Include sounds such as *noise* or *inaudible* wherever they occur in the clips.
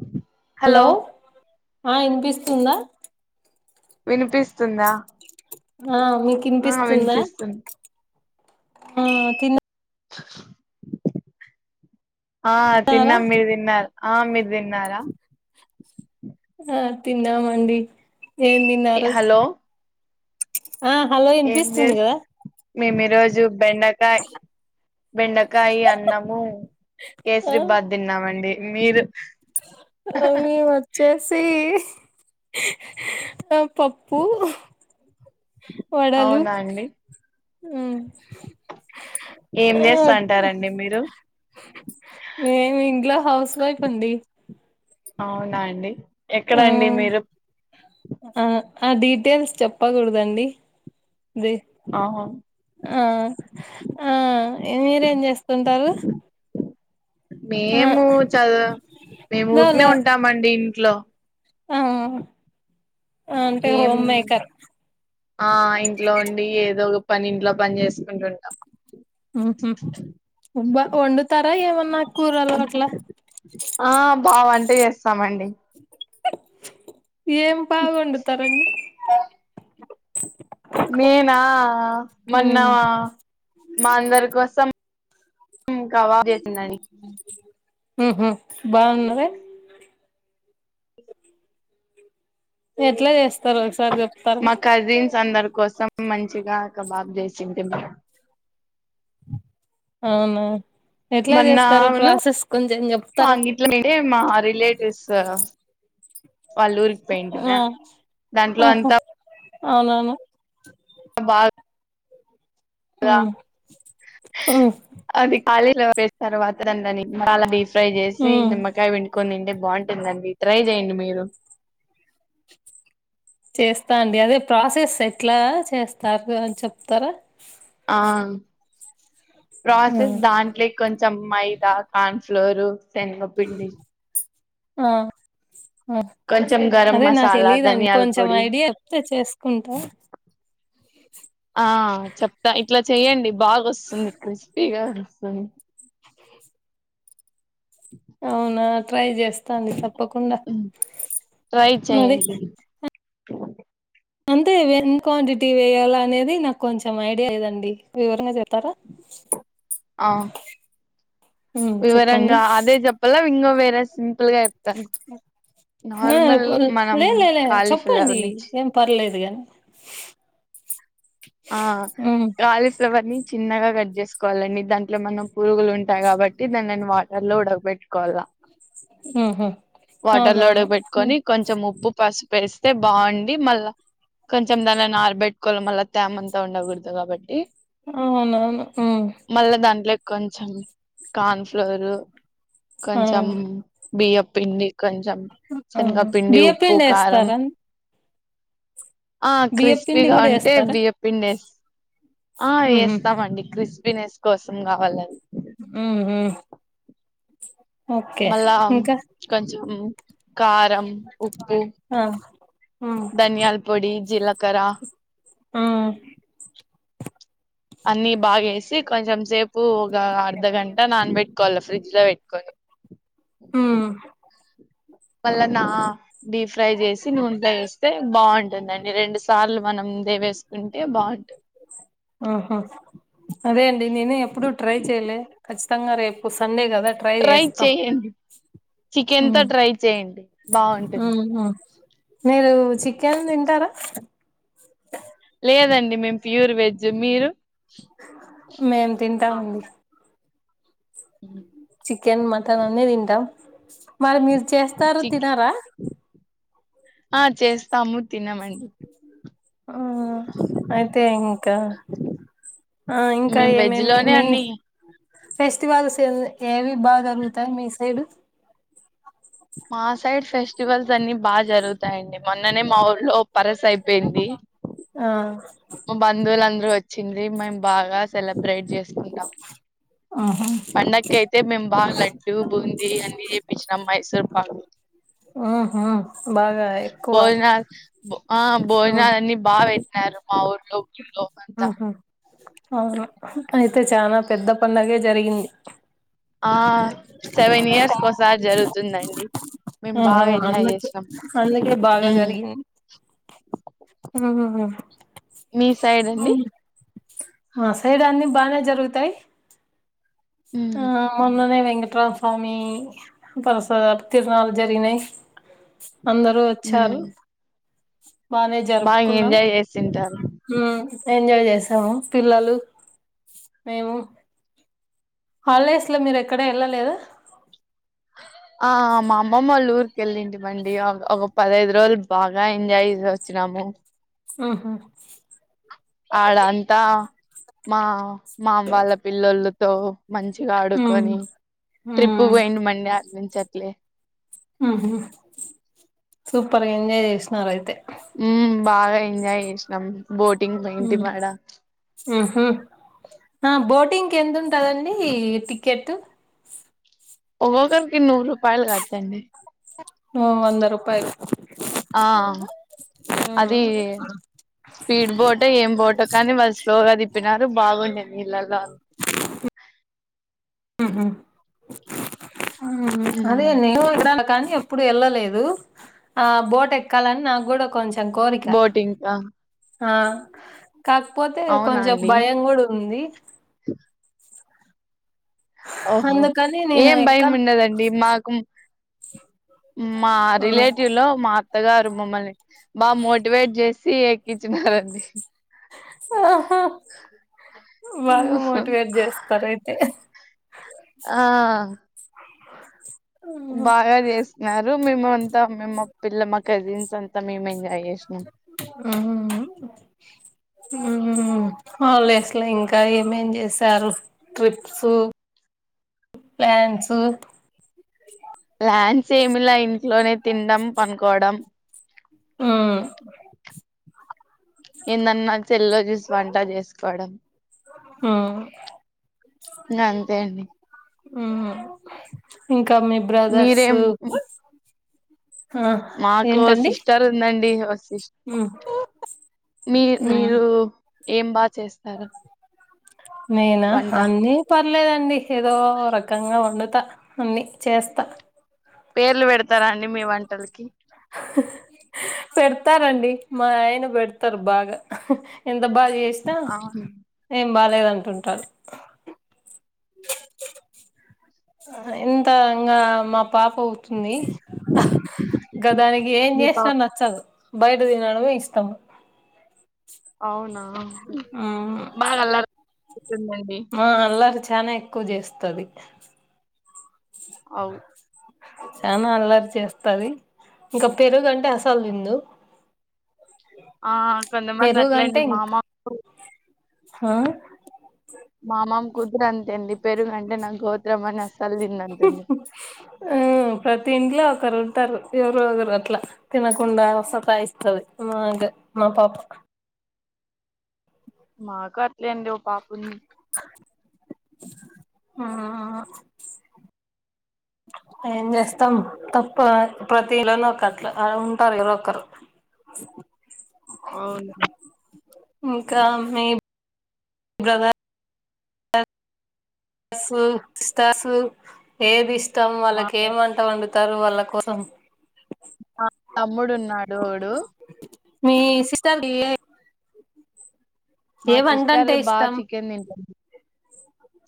అ hello ఆ వినిపిస్తుందా వినిపిస్తుందా ఆ మీ ఆ వినిపిస్తుందా వినిపిస్తుంది ఆ తిన్నారా తిన్నాం మీరు తిన్నారా ఆ మీరు తిన్నారా ఆ తిన్నామండి ఏం తిన్నారూ హలో ఏం ఇనిపిస్తుంది చేస్త కదా మేము ఈ రోజు బెండ కాయ బెండకాయ అన్నము కేసరి తిన్నామండి మీరు ఆ మేము వచేసి ఆ పప్పు అవునా అండి ఉమ్ ఏం ఆ చేస్తాంటారండి మీరు మేము ఇంట్లో హౌస్ వైఫ్ అండి అవునా అండి ఆ ఎక్కడ అండి మీరు ఆ ఆ డీటెయిల్స్ చెప్పకూడదండి ఆహా ఆ ఆ మీరేం చేస్తుంటారు ఆ మేము చదువు మేము లో ఊరికినే లో ఉంటామండి ఇంట్లో ఆ అంటే ఏం హోమ్ మేకర్ ఆ ఇంట్లో ఉండి ఏదో ఒక పని ఇంట్లో పని చేసుకుంటుంటాం ఉబ్బా వండు తార ఏమన్నా కూరలు అట్లా ఆ బాగ వంట చేస్తామండి ఏం బాగా వండుతారు నేనా మొన్న ఉమ్ మా అందరి కోసం కబాబ్ చేసినండి ఆహా బాగుందా ఎట్లా చేస్ మా కజిన్స్ అందరి కోసం మంచిగా కబాబ్ చేసింది మ అవునా ఎట్ల చేస్తారు మొన్నను ప్రాసెస్ కొంచెం చెప్తారా అంగిట్లోంటే మా రిలేటివ్స్ వాళ్ళ ఊరికి పోయింటిమా మ్మ్ దాంట్లో ఆహ అంతా అవునా కబా ల ఉమ్ ఉమ్ అది అది ఆలీలో వేసిన తర్వాత దాన్ దాన్ని బాగా *unintelligible* ట్రై చేసి ఉమ్ నిమ్మకాయ పిండుకొని తింటే బాగుంటుందండి ట్రై చేయండి మీరు చేస్తా అండి అదే ప్రాసెస్ ఎట్లా చేస్తారు అని చెప్తారా ఆ ప్రాసెస్ ఉమ్ దాంట్లే కొంచెం మైదా కాన్ ఫ్లోర్ శనగ పిండి ఆ అదే కొంచెం గరం అదే నాకు మసాలా తెలిదండి ధనియాల కొంచెం పొడి ఐడియా చెప్తే చేసుకుంటా ఆ చెప్ త ఇట్ల చెయ్యండి బాగా వస్తుంది క్రిస్పీగా వస్తుంది అ *inaudible* అవునా ట్రై చేస్తాను తప్పకుండా ట్రై మరి చేయండి అంతే వెన్ క్వాంటిటీ వేయాల అనేది నాకు కొంచెం ఐడియా లేదండి వివరంగా చెప్తారా ఆ ఉమ్ చెప్పండి వివరంగా అదే చెప్పలే ఇంగో వేరే ఫుల్లు గా ఎత్త ఆ నార్మల్ మనం లే లే లే కాలి చెప్పండి ఫ్లవర్ నుంచి ఏం పర్లేదు గా ఆ గాలిఫ్ లవన్నీ చిన్నగా కట్ చేసుకోవాలండి దాంట్లో మనం పురుగులు ఉంటాయి కాబట్టి దాన్లని వాటర్ లో ఉడగబెట్ కొల్ల ఉహు వాటర్ లో అవునవును ఉడక ఉమ్, పెట్టుకొని కొంచెం ఉప్పు పసుపేస్తే బాగుండి మళ్ళా కొంచెం దానిని ఆరబెట్టుకోవాలి మళ్ళా త్యామ అంతా ఉండకూడదు కాబట్టి అవునవును ఆ మళ్ళా దాంట్లేకి కొంచెం కన్ఫ్లోర్ ఆ కొంచెం బియ్యపు పిండి కొంచం ఆ శనగపిండి ఉప్పు బియ్యపిండి కారం వేస్తారా ఆ బియ్యపిండి క్రిస్పీగా కూడా అంటే వేస్తారా నగ పిండేసి ఆ ఉహు వేస్తామండి క్రిస్పీనెస్ కోసం కావాలండి మ్మ్ మ్మ్ మళ్ళా ఇంకా కొంచెం కారం ఉప్పు ఆ ఆ ధనియాల పొడి జీలకర మ్మ్ అన్ని బాగేసి కొంచెం సేపు ఒక అర్ధగంట నాన్న పెట్టుకోవాలి ఫ్రిడ్జ్ లో పెట్టుకొని మ్మ్ మళ్ళ నా డీప్ ఫ్రై చేసి నూనె ఫ్రై చేస్తే బాగుంటుందండి రెండు సార్లు మనం దేవేసుకుంటే బాగుంటుంది *inaudible* ఆహ అదే అండి నేను ఎప్పుడూ ట్రై చెయ్యలే ఖచ్చితంగా రేపు సండే కదా ట్రై చేయండి చికెన్ తో ట్రై చేయండి బాగుంటుంది ఆ మీరు చికెన్ తింటారా లేదండి మేము ప్యూర్ వెజ్ మీరు మేం తింటాముండి ఉ *inaudible* చికెన్ మటన్ అన్ని తింటా మరి మీరు చేస్తారు చిక్ తినారా ఆ చేస్తాము తినమండి ఆ అయితే ఇంకా ఆ ఇంకా మేము వెజ్ ఏమేమి లోనే మీ అన్ని ఫెస్టివల్స్ ఏవి బాగా జరుగుతాయి మీ సైడ్ మా సైడ్ ఫెస్టివల్స్ అన్ని బాగా జరుగుతాయండి మొన్ననే మా ఊర్లో పరస అయిపోయింది ఆ మా బంధువులందరూ వచ్చింది మేము బాగా సెలబ్రేట్ చేసుకుంటాం ఆహా పండకి అయితే మేం బా లడ్టు బూంది అన్నీ చేపిచినాం మైసూర్ బ *unintelligible* ఆహా బాగా ఎక్కువ బోజనా ఆ ఆ! బోజనాలు అన్ని బాగా పెట్నారు *unintelligible* ఆహా అవును అయితే చాలా పెద్ద పండుగే జరిగింది ఆ సెవెన్ ఇయర్స్ కోసారి జరుగుతుందండి మేము ఆహ బాగా ఎంజాయ్ అందుకే చేసినాం అందుకే బాగా ఉమ్. జరిగంది ఆహా హా మీ సైడ్ అండి ఆ సైడ్ అన్ని బానే జరుగుతాయి ఉమ్. ఆ మొన్ననే వెంకటరామస్వామి *unintelligible* తిరునాలు జరిగినాయి అందరూ వచ్చారు ఉమ్. బానే బాగా జరుపుకున్నాం ఎంజాయ్ చేసింటారు హమ్ ఎంజాయ్ చేసాము పిల్లలు మేము హాలిడేస్ లో మీరు ఎక్కడ వెళ్ళలేదా ఆ మా అమ్మమ్మ వాళ్ళ ఊరికి వెళ్ళంటివండి ఒక పదహైదు రోజులు బాగా ఎంజాయ్ చేసి వచ్చినాము ఆహా ఆడ అంతా మా మామ వాళ్ళ పిల్లలతో మంచిగా ఉమ్ ఆడుకొని ట్రిప్పు ఉమ్ పోయిండు మళ్ళీ అడ నుంచి అట్లే ఆహా సూపర్గా ఎంజాయ్ చేసిన్నారు అయితే ఉం బాగా ఎంజాయ్ చేసినాం బోటింగ్ పోయింటిమి ఆడ హు హమ్ ఆ బోటింగ్ ఎంత ఉంటదండి టిక్కెట్ ఒక్కొక్కరికి నూరు రూపాయలు కాచ్చండి ఓ వంద రూపాయలు ఆ ఆ అది స్పీడ్ బోటో ఏం బోటో కానీ వాళ్ళు స్లోగా తిప్పినారు బాగుండేది నీళ్ళల్లో అదిే ఉమ్ నే *unintelligible* కానీ ఎప్పుడు వెళ్ళలేదు ఆ బోట్ ఎక్కాలని నాకు కూడా కొంచెం కోరిక బోటింగ్ ఆ ఆ కాకపోతే అవునా కొంచెం అండి భయం కూడా ఉంది ఓహో అందుకని నేను ఏం భయం ఎక్కను ఉండదండి మాకు మా ఉమ్ రిలేటివ్ లో మా అత్తగారు మమ్మల్ని బాగా మోటివేట్ చేసి ఎక్కించినారండి ఓహో బాగా మోటివేట్ చేస్తారు అయితే ఆ బాగా చేస్తున్నారు మేము అంతా మేము పిల్ల మా కజిన్స్ అంతా మేము ఎంజాయ్ చేసినం ఆ ఆ హ్మ్ హాలిడేస్ల ఇంకా ఏమేం చేశారు ట్రిప్స్ ప్లాన్స్ ప్లాన్స్ ఏమిలా ఇంట్లోనే తినడం పనుకోవడం ఉ ఏందన్నా సెల్లో చూసి వంట చేసుకోవడం ఆ ఇంగ అంతే అండి హు ఇంకా మీ బ్రదర్స్ మీరేం ఆ మాకు ఓ ఏంటండి సిస్టర్ ఉందండి ఓ సిస్ మ్మ్ మీ మ్మ్ మీరు ఏం బా చేస్తారు నేనా వంట అన్నీ పర్లేదండి ఏదో రకంగా వండుతా అన్ని చేస్తా పేర్లు పెడతారా అండి మీ వంటలకి పెడతారండి మా ఆయన పెడతారు బాగా ఎంత బాగా చేసినా అవును ఏం బాలేదాంటుంటారు ఆహా ఎంత ఇంగ మా పాప టుంది ఇంకా దానికి ఏం మీ చేసినా పాప నచ్చదు బయట తినడమే ఇష్టం అవునా ఆ బాగా అల్లర్ దండి ఆ అల్లారీ చానా ఎక్కువ చేస్తది అవు చనా అల్లరి చేస్తది ఇంకా పెరుగంటే అసలు విందు ఆ కొంతమంది పెరుగు అంటే అట్లేండి మా ఇంకా మ ఆ మామమ కుతురు అంతేనండి పెరుగుంటే నా గోత్రం అని అస్సలు తిన్నాను అంటుంది ఉ ప్రతి ఇంట్లో ఒకరు ఉంటారు ఎవరరో ఒకరు అట్లా తినకుండా సతా ఇస్తది మగ్ మా పాప హ్ మాకు అట్లేండి ఓ పాపుంది ఆ ఏం చేస్తాం తప్ప ప్రతి ఇళ్లలో ఒకట్లా ఆ ఉంటారు కదా ఒక్కరు అవును ఇంకా మేబ్ గల సాస్ స్టాసు ఏది ఇష్టం మా వాళ్ళకి ఏమంట వండుతారు వాళ్ళ కోసం ఆ తమ్ముడున్నాడు ఓడు మీ సిస్టర్ కి ఇల్ లే మా వంట సిస్టర్ అంటే బా ఇష్టం చికెన్ తింటుంది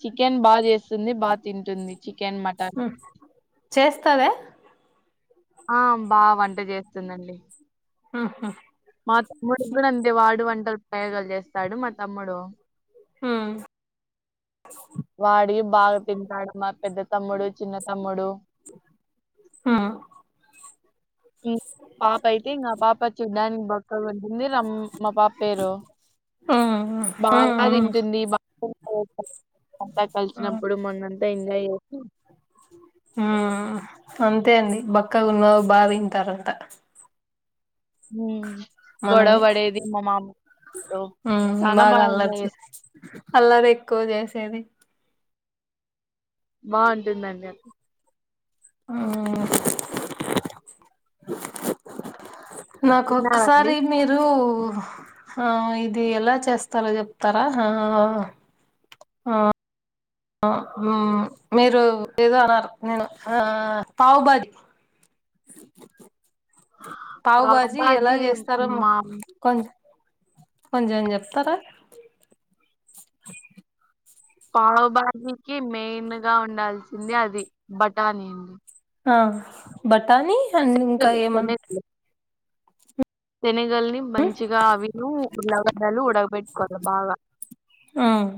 చికెన్ బాగా చేస్తుంది బాగా తింటుంది చికెన్ మటన్ చేస్తావా ఆ బా వంట చేస్తుందండి ఊహూ మా తమ్ముడు కూడా అంతే వాడు వంటలు ప్రయోగాలు చేస్తాడు మా తమ్ముడు హ్మ్ వాడి బాగా తింటాడు మా పెద్ద తమ్ముడు చిన్న తమ్ముడు ఆ పాప అయితే ఇంకా పాప చూడ్డానికి బక్కగా ఉంటుంది మా పాప పేరు ఉమ్ ఉమ్ బాగా తింటుంది *inaudible* అంతా ఉమ్ కలిసినప్పుడు మొన్నంతా ఎంజాయ్ చేసి హ్మ్ అంతే అండి బక్కగా ఉన్న వాళ్లు బా తింటారంటా ఉమ్, గొడవ మనమే పడేది మా మామతో హ్మ్ చానా బాగా అల్లరి ఎంజాయ్ చేస్ చేవచ్చు అల్లరి ఎక్కువ చేసేది బావుంటుందండది హ్మ్ నాకు తిన్నారండి ఒక్కసారి మీరు ఆ ఇది ఎలా చేస్తారో చెప్తారా ఆ ఆ మీరు ఏదో అన్నారు నేను పావు బాజి పావు బాజీ ఎలా పావుబాజీ చేస్తారో మా కొంచం కొంచెం చెప్తారా పావు బాజీకి మెయిన్ గా ఉండాల్సింది అది బటానీ అండి ఆ బఠానీ అండ్ ఇంకా శనగలు ఏమన్నా శనగలు శనగల్ని మంచిగా అవిను ఉల్లాగడలు ఉడగబెట్టుకోవాలి బాగా హ్మ్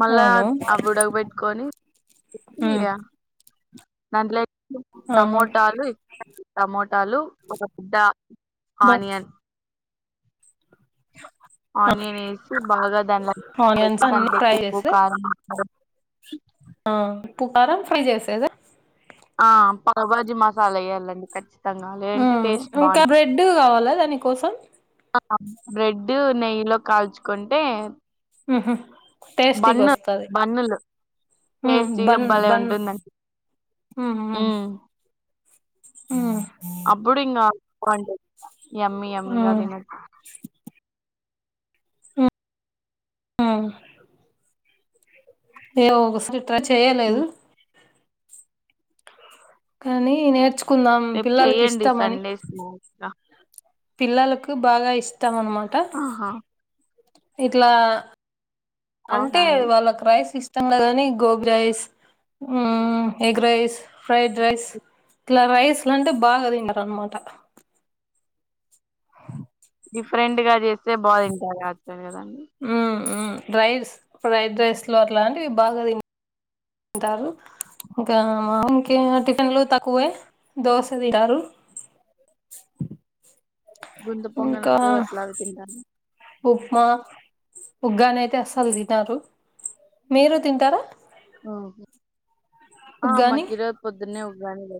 మళ్ళా అవును ఆవి ఉడకపెట్టుకొని కొత్తిమీర మ్ దాంట్లో ఆ టమోటాలు టమోటాలు ఒక పెద్ద బ ఆనియన్ ఆనియన్ వేసి బాగా దానిలో ఆనియన్స్ అన్ని దాంట్లో ఫ్రై ఉప్పు చేసి కారం ఆ ఉప్పుకారం ఫ్రై చేసేదా ఆ పావ్ భాజీ మసాలా వేయ్యాలండి ఖచ్చితంగా లేదంటే టేస్ట్ బాగోదు డు కావాలా దాని కోసం ఆ బ్రెడ్ నెయ్యిలో కాల్చుకుంటే ఊహూ టేస్టీకి బన్ను వస్తాది బన్నులు హమ్ టేస్టీగా బన్ భలే బన్ ఉంటుందండి ఉమ్ హ్మ్ అప్పుడు ఇంక బావుంటది ఎమ్మి ఎమ్మిగా ఉమ్ తినొచ్చు హ్మ్ మ్మ్ *unintelligible* చేయలేదు కానీ నేర్చుకుందాం పిల్లలకి ఇష్టం అని అక్క పిల్లలకు బాగా ఇష్టం అన్నమాట ఆహా ఇట్లా అవునా అంటే అండి వాళ్ళకి రైస్ ఇస్ కదని gobi rice egg rice fried rice ఇట్లా రైస్ లంటే బాగా తింటారు అన్నమాట డిఫరెంట్ గా చేస్తే బా తింటారు *unintelligible* హ్మ్ హ్మ్ రైస్ ఫ్రైడ్ రైస్ లు అట్లాంటివి బాగా తిన్ తింటారు ఇంకా మామకి టిఫిన్లు తక్కువే దోస తింటారు గుంత ఇంకా పొంగనాలు అట్లావి తిన్రా ఉప్మా ఉగ్గాని అని అయితే అసలు తినరు మీరు తింటారా ఆ మాకి ఉగ్గాని ఈ రోజు పొద్దునే ఉగ్గాని పే